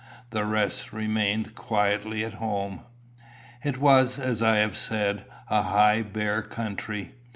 The rest remained quietly at home. It was, as I have said, a high bare country.